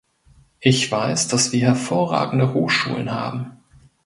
Ich weiß, dass wir hervorragende Hochschulen haben.